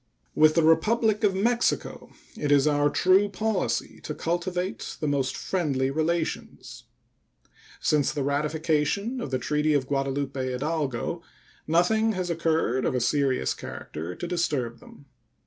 With the Republic of Mexico it is our true policy to cultivate the most friendly relations. Since the ratification of the treaty of Guadalupe Hidalgo nothing has occurred of a serious character to disturb them.